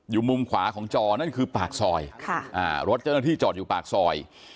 มุมขวาของจอนั่นคือปากซอยรถเจ้าหน้าที่จอดอยู่ปากซอย